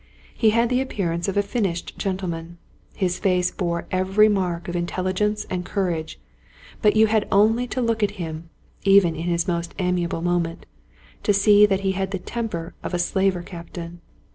He had the appear ance of a finished gentleman ; his face bore every mark of intelligence and courage ; but you had only to look at him, even in his most amiable moment, to see that he had the temper of a slaver captain.